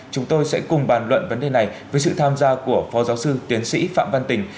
chúng tôi sẽ cùng bàn luận vấn đề này với sự tham gia của phó giáo sư tiến sĩ phạm văn tình